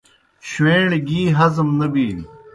شُویݩڑ گی ہضم نہ بِینوْ